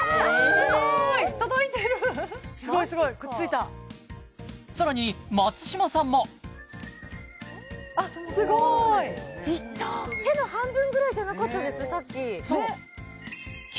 すごい届いてるすごいすごいくっついたさらに松嶋さんもあっすごいいった手の半分ぐらいじゃなかったです？